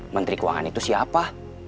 menteri keuangan itu siapa